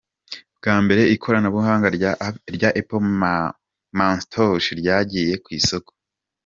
Bwa mbere ikoranabuhanga rya Apple Macintosh ryagiye ku isoko.